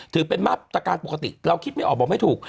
ถือเป็นมาตรการปกติเราคิดไม่ออกบอกไม่ถูก